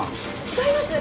違います！